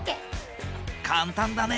簡単だね。